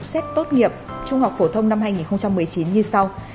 xét tốt nghiệp trung học phổ thông năm hai nghìn một mươi chín như sau